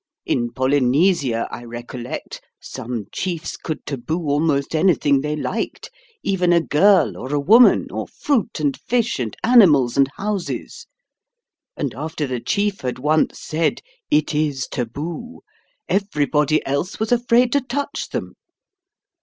In Polynesia, I recollect, some chiefs could taboo almost anything they liked, even a girl or a woman, or fruit and fish and animals and houses: and after the chief had once said, 'It is taboo,' everybody else was afraid to touch them.